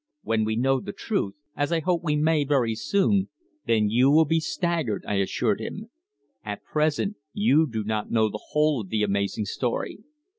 "When we know the truth as I hope we may very soon then you will be staggered," I assured him. "At present you do not know the whole of the amazing story.